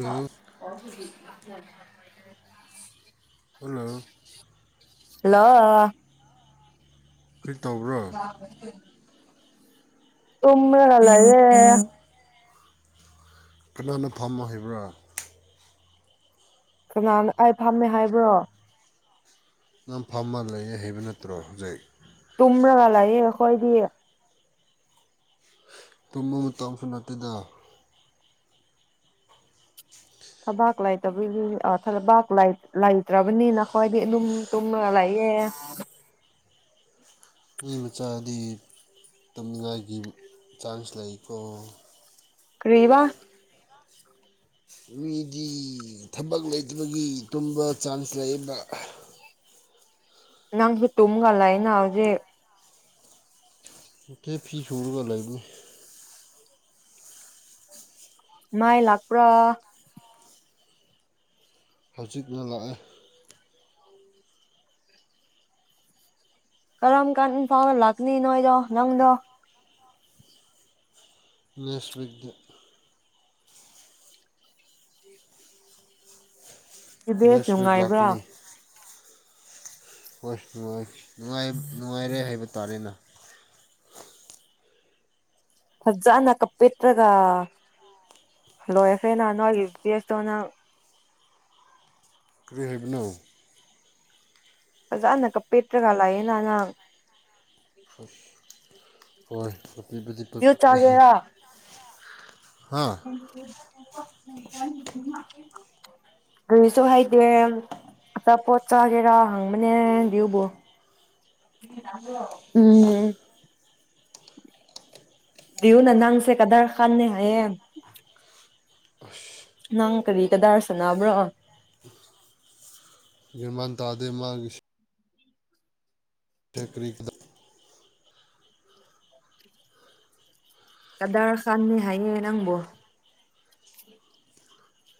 [inaudible] ꯍ [unintelligible] hello hello ꯀꯔꯤ ꯇꯧꯕ꯭ꯔꯣ [inaudible] ꯇꯨꯝꯔꯒ ꯂꯩꯔꯦ ꯀꯅꯥꯅ ꯐꯃꯣ ꯍꯥꯏꯕ꯭ꯔꯥ ꯀꯅꯥꯅ ꯑꯩ ꯐꯝꯃꯦ ꯍꯥꯏꯕ꯭ꯔꯣ ꯅꯪ ꯐꯝꯃ ꯂꯩ ꯍꯩꯕ ꯅꯠꯇ꯭ꯔꯣ ꯍꯧꯖꯤꯛ ꯇꯨꯝ꯭ꯔꯒꯂꯥꯏꯌꯦ ꯍꯣꯏꯗꯤ ꯇꯨꯝꯕ ꯃꯇꯝꯁꯨ ꯅꯠꯇꯦꯗ ꯊꯕꯥꯛ ꯂꯩꯇꯕꯒꯤ ꯑ ꯊꯕꯥꯛ ꯂꯩꯇ꯭ꯔꯕꯅꯤꯅ ꯈꯣꯏꯗꯤ ꯑꯗꯨꯝ ꯇꯨꯝꯃꯒ ꯂꯩꯌꯦ ꯃꯤ ꯃꯆꯥꯗꯤ ꯇꯨꯝꯅꯤꯡꯉꯥꯏꯒꯤ ꯆꯥꯟꯁ ꯂꯩꯀꯣ ꯀ꯭ꯔꯤꯕꯥ ꯃꯤꯗꯤ ꯊꯕꯛ ꯂꯩꯇꯕꯒꯤ ꯇꯨꯝꯕ ꯆꯥꯟꯁ ꯂꯩꯌꯦꯕ ꯅꯪꯁꯨ ꯇꯝꯒꯂꯏꯅ ꯍꯧꯖꯤꯦ ꯀꯦ ꯐꯤ ꯁꯨꯨꯔꯒ ꯂꯅꯤ ꯃꯥꯏ ꯂꯥꯛꯄ꯭ꯔ ꯍꯧꯖꯤꯛꯅ ꯂꯥꯛꯑꯦ ꯀꯔꯝ ꯀꯥꯟ ꯐꯥꯎ ꯂꯥꯛꯀꯅꯤ ꯅꯣꯏꯗꯣ ꯅꯪꯗꯣ ꯅꯦꯁ ꯒꯗꯠ ꯁꯤ ꯕꯦꯁ ꯅꯦꯛꯁ ꯋꯤꯛ ꯅꯨꯡꯉꯥꯏꯕ꯭ꯔꯥ ꯍ ꯍ [unintelligible] ꯅꯨꯡꯥꯏ ꯅꯨꯡꯉꯥꯏꯔꯦ ꯍꯥꯏꯕ ꯇꯥꯔꯦꯅ ꯐꯖꯅ ꯀꯞꯄꯤꯇ꯭ꯔꯒ ꯂꯣꯏꯔ꯭ꯈꯦꯅ ꯅꯣꯏꯒꯤ ꯄꯦꯁꯇꯣ ꯅꯪ ꯀꯔꯤ ꯍꯥꯏꯕꯅꯣ ꯐꯖꯥꯅ ꯀꯄꯦꯠꯇ꯭ꯔꯒ ꯂꯥꯛꯑꯦ ꯅꯍ ꯅꯪ ꯍꯣꯏ ꯑꯄꯤꯄꯗꯤꯠ ꯄꯠ ꯌꯨ [unintelligible] ꯑꯗꯨꯁꯨ ꯍꯩꯇꯦ ꯑꯆꯥꯄꯣꯠ ꯆꯥꯒꯦꯔꯥ ꯍꯪꯕꯅꯦ ꯕ ꯎꯝ ꯎ ꯅ ꯅꯥꯡꯁꯦ ꯀꯗꯥꯔ ꯈꯥꯟꯅꯦ ꯍꯥꯏꯌꯦ ꯅꯪ ꯀꯔꯤ ꯀꯗꯥꯔꯁꯅꯥꯕ꯭ꯔꯣ ꯃꯟ ꯇꯥꯗ ꯃꯥꯒꯤ ꯀꯔꯤ ꯀꯗ ꯀꯗꯥꯔ ꯈꯥꯟꯅꯤ ꯍꯥꯏꯌꯦ ꯅꯪꯕꯨꯣ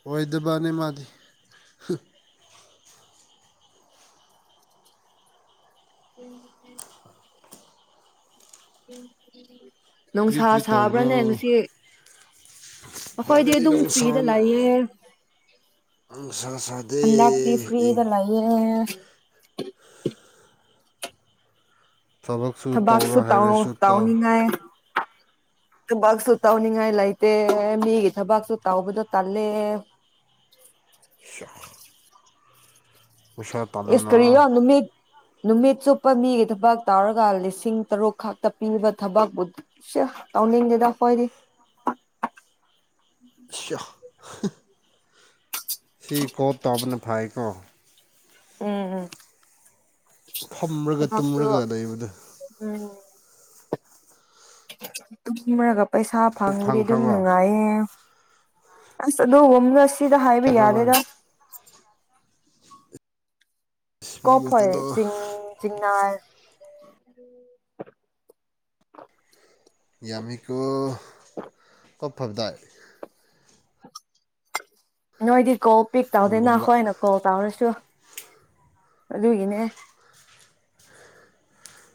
ꯑꯣꯏ ꯗꯕꯥꯅꯦ ꯃꯥꯗꯤ ꯎꯝ [unintelligible] ꯀꯔꯤ ꯅꯨꯡꯁꯥ ꯀꯔꯤ ꯇꯧꯕ꯭ꯔꯣ ꯁꯥꯕ꯭ꯔꯥꯅꯦ ꯉꯁꯤ ꯑꯩꯈꯣꯏꯗꯤ ꯑꯗꯒꯤ ꯑꯗꯨꯝ ꯐ꯭ꯔꯤꯗ ꯅꯨꯡꯁꯥꯅ ꯂꯩꯑ ꯅꯨꯡꯁꯥ ꯁꯥꯗꯦ ꯍꯟꯗꯛꯇꯤ ꯏꯪ ꯐ꯭ꯔꯤꯗ ꯂꯩꯑ [unintelligible] ꯊꯕꯛꯁꯨ ꯇꯧꯔꯣ ꯊꯕꯥꯥꯛꯁꯨ ꯇꯑꯣ ꯍꯥꯏꯔꯁꯨ ꯇꯧ ꯇꯥꯎꯅꯤꯉꯑ ꯊꯕꯛꯁꯨ ꯇꯧꯅꯤꯡꯉꯥꯏ ꯂꯩꯇꯦ ꯃꯤꯒꯤ ꯊꯕꯛꯁꯨ ꯇꯥꯎꯕꯗꯣ ꯇꯜꯂꯦ ꯄꯩꯁꯥ ꯇꯥꯜꯂꯨꯅ ꯏꯁꯀꯔꯤꯅ ꯃꯤ ꯅꯨꯃꯤꯠ ꯆꯨꯞꯄ ꯃꯤꯒꯤ ꯊꯕꯛ ꯇꯧꯔꯒ ꯂꯤꯁꯤꯡ ꯇꯔꯨꯛ ꯈꯛꯇ ꯄꯤꯕ ꯊꯕꯛꯄꯨ ꯇꯧꯅꯤꯡꯗꯦꯗ ꯍꯣꯏꯗꯤ ꯁꯦ ꯁꯤ ꯀꯣ ꯇꯣꯞꯅ ꯐꯥꯏꯀꯣ ꯎꯝ ꯎꯝ ꯐꯝꯔꯒ ꯊꯕꯛꯁꯨ ꯇꯨꯝꯔꯒ ꯂꯩꯕꯗꯨ ꯇꯨꯡ ꯃꯔꯒ ꯄꯩꯁꯥ ꯐꯪꯕꯗꯤ ꯑꯗꯨꯝ ꯐꯪꯈ꯭ꯔꯕꯣ ꯅꯨꯡꯉꯥꯏꯌꯦ ꯑꯗꯣ ꯍ ꯗ ꯍꯥꯏꯌꯦꯕꯤ ꯐꯪꯈ꯭ꯔꯕ ꯌꯥꯗꯦꯗ ꯃꯤ ꯀꯣꯞ ꯍꯣꯞ ꯃꯆꯥꯗꯣ ꯆꯤꯡ ꯆꯤꯡꯅꯔ ꯎꯝ ꯌꯥꯃꯤꯀꯣ ꯀꯞꯐꯕꯗꯏ ꯅꯣꯏꯗꯤꯀꯣꯞ ꯄꯤꯛ ꯒꯨꯝꯕ ꯇꯧꯗꯦꯅꯈꯣꯏ ꯑꯅ ꯀꯣꯜ ꯇꯧꯔꯁꯨ ꯑꯗꯨꯒꯤ ꯏꯅꯦ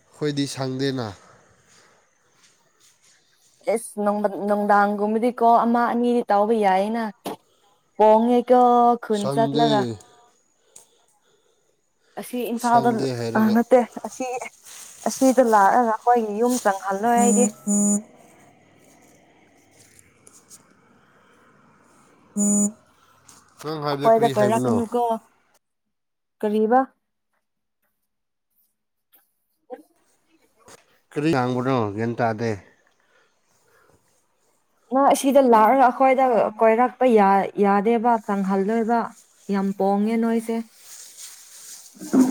ꯑꯩꯈꯣꯏꯗꯤ ꯁꯪꯗꯦꯅ ꯑꯦꯁ ꯅꯨꯡꯗꯥꯡꯒꯨꯝꯕꯗꯤꯀꯣ ꯑꯃ ꯑꯅꯤꯗꯤ ꯇꯥꯎꯕ ꯌꯥꯏꯅ ꯀꯣꯡꯉꯦ ꯀꯣ ꯈꯨꯟ ꯁꯪꯗꯦ ꯆꯠꯂꯒ ꯑ ꯁꯤ ꯏꯝꯐꯥꯜꯗ ꯁꯪꯗꯦ ꯑ ꯍꯥꯏꯔꯒ ꯅꯠꯇꯦ ꯑꯁꯤ ꯑꯁꯤꯗ ꯂꯥꯛꯒ ꯃꯈꯣꯏꯒꯤ ꯌꯨꯝ ꯆꯪꯍꯜꯂꯣꯏ ꯑꯩꯗꯤ [unintelligible] ꯑꯩꯈꯣꯏꯗ ꯀꯔꯤ ꯀꯣꯏꯔ ꯍꯥꯏꯕꯅꯣ ꯀꯅꯨ ꯀꯣ ꯀꯔꯤꯕꯥ [unintelligible] ꯀꯔꯤ ꯇꯥꯡꯒꯨꯅꯣ ꯒꯌꯥꯟ ꯇꯑꯗꯦ ꯁꯤꯗ ꯂꯥꯛꯑꯒ ꯑꯩ ꯈꯣꯏꯗ ꯀꯣꯏꯔꯛꯄ ꯌꯥꯗꯦꯕ ꯆꯪꯍꯜꯂꯣꯏꯕ ꯌꯥꯝ ꯄꯣꯡꯉꯦ ꯅꯣꯏꯁꯦ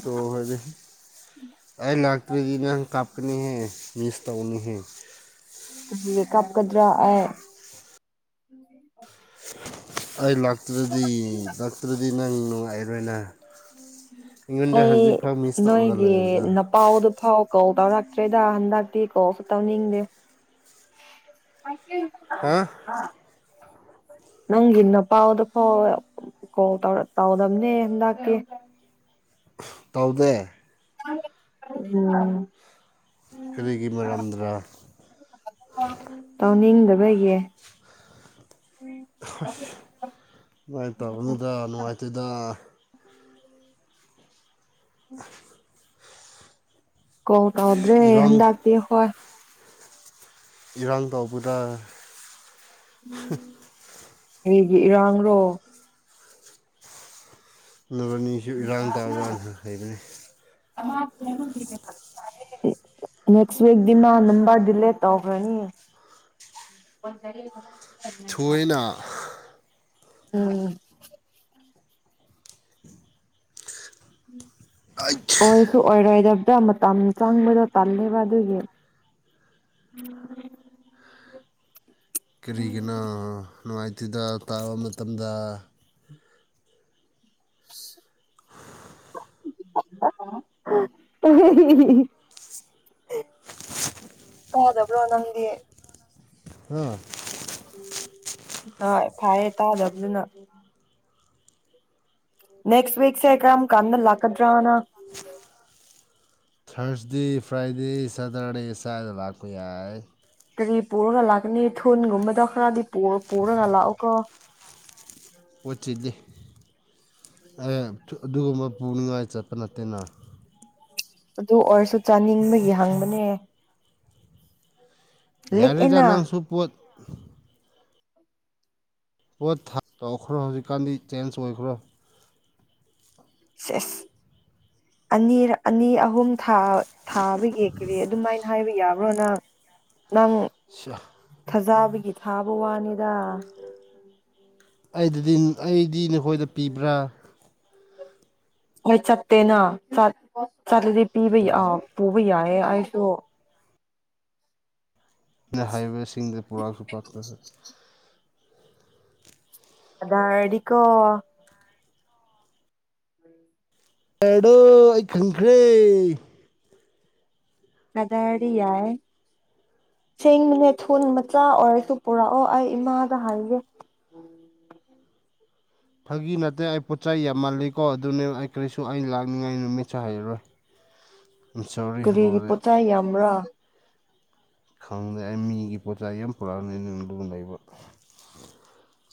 ꯇꯣ ꯍꯥꯏꯗꯤ ꯑꯩ ꯂꯥꯛꯇꯔꯤꯒꯤ ꯅꯪ ꯀꯥꯞꯀꯅꯤꯍꯦ ꯃꯤꯁ ꯇꯧꯒꯅꯤ ꯀꯦꯔꯤ ꯀꯞꯀꯗꯔꯥ ꯑꯩ ꯑꯩ ꯂꯥꯛ ꯂꯥꯛꯇꯔꯗꯤ ꯂꯥꯛꯇꯔꯗꯤ ꯅꯪ ꯅꯨꯡꯉꯥꯏꯔꯣꯏꯅ ꯑꯩꯉꯣꯟꯗ ꯑꯩ ꯍꯧꯖꯤꯛꯐꯥꯎ ꯃꯤꯁ ꯇꯧꯔꯒ ꯅꯣꯏꯒꯤ ꯂꯩꯕꯗꯣ ꯅꯄꯥꯎꯗ ꯐꯥꯎ ꯀꯣꯜ ꯇꯧꯔꯛꯇ꯭ꯔꯦꯗ ꯍꯟꯗꯛꯇꯤ ꯀꯣꯜꯁꯨ ꯇꯧꯅꯤꯡꯗꯦ ꯍꯥ [unintelligible] ꯅꯪꯒꯤ ꯅꯄꯥꯎꯗ ꯐꯥꯎ ꯀꯣꯟ ꯇꯥꯎꯗꯝꯕꯅꯦ ꯍꯟꯗꯥꯛꯀꯤ ꯇꯧꯗꯦ ꯎꯝ ꯀꯔꯤꯒꯤ ꯃꯔꯝꯗ꯭ꯔꯥ [unintelligible] ꯍ ꯅꯨꯡꯉꯥꯏ ꯇꯕꯗꯨꯗ ꯅꯨꯡꯉꯥꯏꯇꯦꯗ [unintelligible] ꯀꯤꯜ ꯇꯧꯗ꯭ꯔꯦ ꯏꯔꯥꯡ ꯍꯟꯗꯇꯤ ꯍꯣꯏ ꯏꯔꯥꯡ ꯇꯧꯕꯗ [unintelligible] ꯀꯩꯒꯤ ꯏꯔꯥꯡꯔꯣ ꯅꯤꯁꯨ ꯏꯔꯥꯡ ꯇꯥꯎꯔꯅ ꯍꯩꯕꯅꯤ ꯅꯤꯛꯁꯇ ꯅꯝꯕꯔ ꯗꯦꯂꯦꯠ ꯇꯧꯒ꯭ꯔꯅꯤ ꯊꯣꯏꯅ ꯎꯝ ꯑꯩꯠ ꯑꯣꯏꯁꯨ ꯑꯣꯏꯔꯣꯏꯗꯕꯗ ꯃꯇꯝ ꯆꯪꯕꯗꯣ ꯇꯜꯂꯦꯕ ꯑꯗꯨꯒꯤ ꯀꯔꯤꯒꯅꯥ ꯅꯨꯡꯉꯥꯏꯇꯗ ꯇꯥꯕ ꯃꯇꯝꯗ [unintelligible] ꯇꯥꯗꯕ꯭ꯔꯣ ꯅꯪꯗꯤ ꯑꯥ ꯍ ꯐꯌꯦ ꯇꯥꯗꯕꯗꯨꯅ ꯅꯦꯛꯁꯤꯛꯁꯦ ꯀ꯭ꯔꯝ ꯀꯟꯅ ꯂꯥꯛ ꯀꯗ꯭ꯔꯥꯅ ꯊꯔꯁꯗꯦ ꯐ꯭ꯔꯥꯏꯗꯦ ꯁꯦꯇꯔꯗꯦ ꯁꯥꯏꯗ ꯂ ꯌꯥꯏ ꯄꯨꯔꯒ ꯂꯥꯛꯀꯅꯤ ꯊꯨꯟꯒꯨꯝꯕꯗ ꯈꯔꯗꯤ ꯄꯨꯔꯒ ꯂꯥꯛꯑꯣꯀꯣ ꯄꯣꯠ ꯆꯤꯜꯂꯤ ꯑꯗꯨꯒꯨꯝꯕ ꯄꯨꯅꯤꯡꯉꯥꯏ ꯆꯠꯄ ꯅꯠꯇꯦꯅ ꯑꯗꯨ ꯑꯣꯏꯔꯁꯨ ꯆꯥꯅꯤꯡꯕꯒꯤ ꯍꯪꯕꯅꯦ ꯌꯥꯔꯤꯦꯗ ꯂꯤꯛꯑꯦꯅ ꯅꯪꯁꯨ ꯄꯣꯠ [unintelligible] ꯄꯣꯠ ꯇꯧꯈ꯭ꯔꯣ ꯍꯧꯖꯤꯛꯀꯥꯟꯗꯤ ꯆꯦꯟꯖ ꯑꯣꯏꯈ꯭ꯔꯣ ꯁꯁ ꯑꯅꯤ ꯑꯅꯤ ꯑꯍꯨꯝ ꯊꯥꯕ ꯌꯦꯛꯈ꯭ꯔꯦ ꯑꯗꯨꯃꯥꯏꯅ ꯍꯥꯏꯕ ꯌꯥꯕ꯭ꯔꯣ ꯅꯪ ꯅꯪ ꯈꯖꯥꯕꯤ ꯒꯤ ꯊꯥꯕ ꯋꯥꯅꯤꯗ ꯑꯩꯗꯗꯤ ꯑꯩꯗꯤ ꯅꯈꯣꯏꯗ ꯄꯤꯕ꯭ꯔꯥ ꯍꯣꯏ ꯆꯠꯇꯦꯅ ꯆ ꯆꯠꯂꯗꯤ ꯄꯤꯕ ꯌꯥ ꯄꯨꯕ ꯌꯥꯏꯌꯦ ꯑꯩ ꯇ ꯍꯥꯏꯋꯦꯁꯤꯡꯗ ꯄꯨꯔꯥꯛꯁꯨ ꯄꯨꯔꯛꯇ꯭ꯔꯁꯨ ꯑ ꯑꯅꯤꯀꯣ ꯑꯦꯗꯣ ꯑꯩ ꯈꯪꯈ꯭ꯔꯦ ꯑꯗꯨꯗꯥꯔꯗꯤ ꯌꯥꯏ ꯁꯦꯡꯕꯅꯦ ꯊꯨ ꯃꯆꯥ ꯑꯣꯏꯔꯁꯨ ꯄꯨꯔꯛꯑꯣ ꯑꯩ ꯏꯃꯥꯗ ꯍꯥꯏꯒꯦ ꯐꯥꯒꯤ ꯅꯠꯇꯦ ꯑꯩ ꯄꯣꯠꯆꯩ ꯌꯥꯝꯃꯜꯂꯤꯀꯣ ꯑꯗꯨꯅꯦ ꯑꯩ ꯀꯔꯤꯁꯨ ꯑꯩ ꯂꯥꯛꯅꯤꯡꯉꯥꯏ ꯅꯨꯃꯤꯠꯁꯨ ꯍꯥꯏꯔꯔꯣꯏ ꯀꯔꯤ ꯄꯣꯆꯥꯏ ꯌꯥꯝꯔ ꯈꯪꯗꯦ ꯃꯤꯒꯤ ꯄꯣꯠꯆ ꯌꯥꯝ ꯄꯨꯔꯛꯑꯅꯤꯗꯨ ꯂꯩꯕ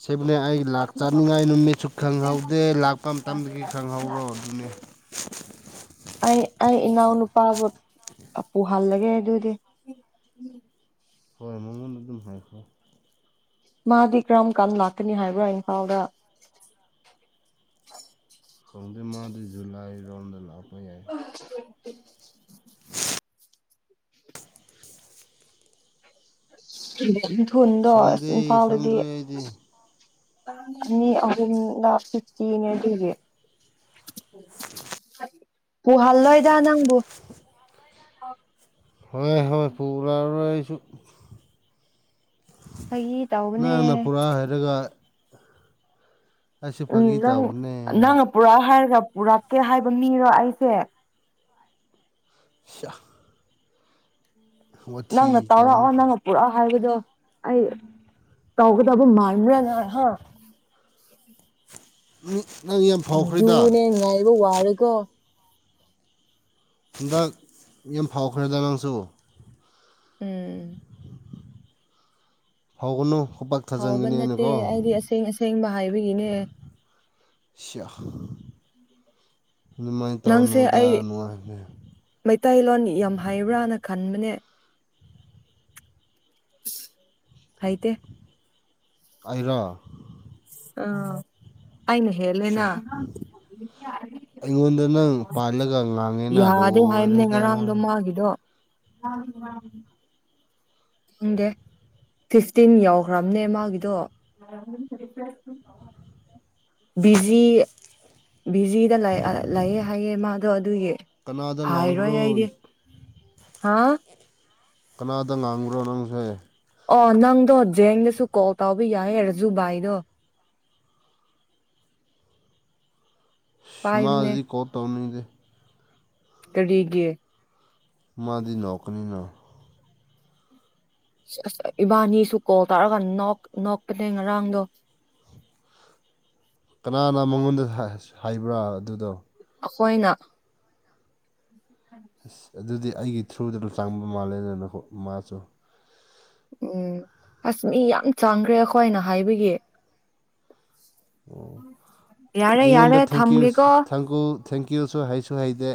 ꯁꯤꯕꯨꯅꯦ ꯑꯩ ꯂꯥꯛ ꯆꯅꯤꯡꯉꯥꯏ ꯅꯨꯃꯤꯠꯁꯨ ꯈꯪꯍꯧꯗꯦ ꯂꯥꯛꯄ ꯃꯇꯝꯗꯒꯤ ꯈꯪꯍꯧꯔꯣ ꯑꯗꯨꯅꯤ ꯑꯩ ꯑꯩ ꯏꯅꯥꯎ ꯅꯨꯄꯥ ꯄꯨꯍꯜꯂꯒꯦ ꯑꯗꯨꯗꯤ ꯍꯣꯏ ꯃꯃꯣꯟ ꯑꯗꯨꯝ ꯍ [unintelligible] ꯃꯥꯗꯤ ꯀꯔꯝ ꯀꯥꯟ ꯂꯥꯛꯀꯅꯤ ꯍꯥꯏꯕ꯭ꯔꯥ ꯏꯝꯐꯥꯜꯗ ꯈꯪꯗꯦ ꯃꯥꯗꯤ ꯖꯨꯂꯥꯏ ꯔꯣꯝꯗ ꯂꯥꯛ ꯍ ꯎ ꯎ [unintelligible] ꯊꯨꯟꯗꯣ ꯑꯁ ꯁꯪꯗꯦ ꯏꯝꯐꯥꯜꯗꯗꯤ ꯁꯪꯗ꯭ꯔꯦ ꯑꯩꯗꯤ ꯑꯅꯤ ꯑꯍꯨꯝꯂꯛ ꯐꯤꯐꯇꯤꯅꯦ ꯑꯗꯨꯒꯤ ꯄꯨꯍꯜꯂꯣꯏꯗ ꯅꯪꯕꯨ ꯍꯣꯏ ꯍꯣꯏ ꯐꯨꯒ꯭ꯔꯔꯣꯏ ꯑꯩꯁꯨ ꯐꯥꯒꯤ ꯇꯧꯕꯅꯦ ꯅꯪꯅ ꯄꯨꯔꯥ ꯍꯥꯏꯔꯒ ꯑꯩꯁꯨ ꯎꯝ ꯐꯥꯒꯤ ꯅꯪ ꯇꯧꯕꯅꯦ ꯅꯪ ꯄꯨꯔꯥ ꯍꯥꯏꯔ ꯄꯨꯔꯛ ꯄꯨꯔꯛꯇꯦ ꯍꯥꯏꯕ ꯃꯤꯔꯣ ꯑꯩꯁꯦ ꯁꯏ ꯅꯡꯅ ꯇꯧꯅꯨ ꯇꯧꯔꯛꯑꯣ ꯅꯡꯅ ꯄꯨꯔꯛꯑꯣ ꯍꯥꯏꯕꯗꯣ ꯑꯩ ꯇꯧꯒꯗꯕ ꯃꯥꯟꯕ꯭ꯔ [inaudible] ꯐꯥꯎꯈ꯭ꯔꯦꯗ ꯑꯗꯨꯅꯦ ꯉꯥꯏꯕ ꯋꯥꯔꯦ ꯀꯣ ꯍꯟꯗꯥꯛ ꯌꯥꯝ ꯐꯥꯎꯈ꯭ꯔꯦꯗ ꯅꯡꯁꯨ ꯎꯝ ꯍꯧꯒꯅꯨ ꯐꯥꯎꯕ ꯅꯠꯇꯦ ꯑꯩꯗꯤ ꯑꯁꯦꯡ ꯑꯁꯦꯡꯕ ꯍꯥꯏꯕꯒꯤꯅꯦ ꯁꯦꯌꯥ ꯅꯡꯁꯦ ꯑꯩ ꯃꯩꯇꯩꯂꯣꯟ ꯌꯥꯝ ꯍꯥꯏꯕ꯭ꯔꯥꯅ ꯈꯟꯕꯅꯦ ꯍꯩꯇ ꯑꯔꯣ ꯑꯥ ꯑꯩꯅ ꯁꯦꯌꯥ ꯍꯦꯜꯂꯦꯅ ꯑꯩꯉꯣꯟꯗ ꯅꯡ ꯄꯥꯜꯂꯒ ꯉꯥꯡꯉꯦꯅ ꯌꯥꯗꯦ ꯍꯥꯏꯕꯅꯦ ꯂꯣꯏꯔꯦꯗ ꯉꯔꯥꯡꯗꯣ [unintelligible] ꯗꯦ ꯐꯤꯐꯇꯤꯟ ꯌꯥꯎꯈ꯭ꯔꯕꯅꯦ ꯃꯥꯒꯤꯗꯣ ꯕꯤꯖꯤ ꯕꯤꯖꯤꯗ ꯂꯥꯛꯑꯦ ꯍꯥꯏꯑꯦ ꯃꯥꯗꯣ ꯑꯗꯨꯒꯤ ꯀꯅꯥꯗ ꯍꯥꯏꯔꯣꯏ ꯉꯥꯡꯕ꯭ꯔꯣ ꯑꯩꯗꯤ ꯍꯥꯥ ꯀꯅꯥꯗ ꯉꯥꯡꯈ꯭ꯔꯣ ꯅꯡꯁꯦ ꯑꯣ ꯅꯡꯗꯣ ꯖꯦꯡꯗꯁꯨ ꯀꯣꯜ ꯇꯧꯕ ꯌꯥꯏ ꯔꯥꯖꯨ ꯕꯥꯏꯗꯣ ꯁ ꯄꯥꯏꯕꯅꯦ ꯃꯥꯥꯗꯥꯗꯤ ꯀꯣ ꯇꯧꯅꯤꯗ ꯀꯔꯤꯒꯤ ꯃꯥꯗꯤ ꯅꯣꯛꯀꯅꯤꯅ ꯑꯁ ꯏꯕꯥꯅꯤ ꯁꯨ ꯀꯣꯜ ꯇꯥꯔꯒꯥ ꯅꯣꯛ ꯅꯣꯛꯄꯅꯦ ꯉꯔꯥꯡꯗꯣ ꯀꯅꯥꯅ ꯃꯉꯣꯟꯗ ꯍꯥꯏ ꯍꯥꯏꯕ꯭ꯔꯥ ꯑꯗꯨꯗꯣ ꯑꯩꯈꯣꯏꯅ ꯑꯁ ꯑꯗꯨꯗꯤ ꯑꯩꯒꯤ ꯊ꯭ꯔꯨꯗ ꯑꯗꯨꯝ ꯆꯡꯕ ꯃꯥꯜꯂꯦ ꯅꯥꯀꯣ ꯃꯥꯁꯨ ꯎꯝ ꯑꯁ ꯃꯤ ꯌꯥꯝ ꯆꯥꯡꯈ꯭ꯔꯦ ꯑꯩꯈꯣꯏꯅ ꯍꯥꯏꯕꯒꯤ ꯌꯥꯔꯦ ꯌꯥꯔꯦ ꯊꯝꯒꯦꯀꯣ ꯊꯦꯡꯀꯌꯨꯁꯨ ꯍꯩꯁꯨ ꯍꯩꯗꯦ